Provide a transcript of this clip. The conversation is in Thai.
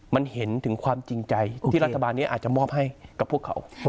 มันเห็นถึงความจริงใจที่รัฐบาลนี้อาจจะมอบให้กับพวกเขา